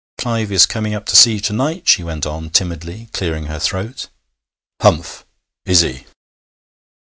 'Clive is coming up to see you to night,' she went on timidly, clearing her throat. 'Humph! Is he?'